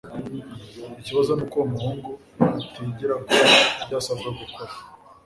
Ikibazo nuko uwo muhungu atigera akora ibyo asabwa gukora